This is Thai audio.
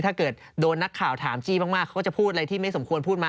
ถ้าเกิดโดนนักข่าวถามจี้มากเขาก็จะพูดอะไรที่ไม่สมควรพูดมา